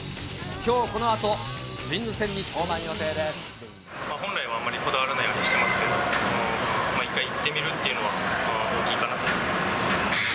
きょうこのあと、ツインズ戦に登本来はあまりこだわらないようにしてますけど、１回いってみるというのは大きいかなと思います。